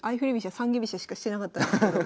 三間飛車しかしてなかったんですけど。